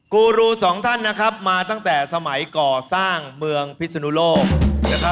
กูรูสองท่านนะครับมาตั้งแต่สมัยก่อสร้างเมืองพิศนุโลกนะครับ